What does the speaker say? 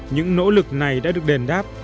những nỗ lực này đã được đền đáp